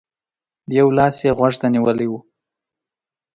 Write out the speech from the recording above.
يو لاس يې غوږ ته نيولی و.